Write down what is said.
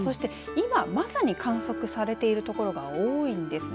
今まさに観測されているところが多いんですね。